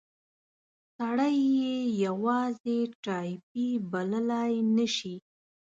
سړی یې یوازې ټایپي بللای نه شي.